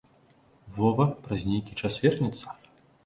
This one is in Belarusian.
Вова праз нейкі час вернецца?